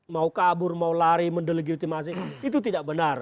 mau kabur mau lari mendeligi ultimasi itu tidak benar